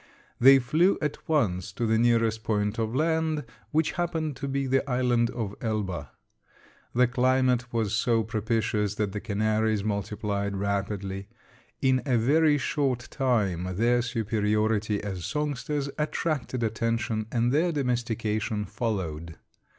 They flew at once to the nearest point of land, which happened to be the island of Elba. The climate was so propitious that the canaries multiplied rapidly. In a very short time their superiority as songsters attracted attention and their domestication followed.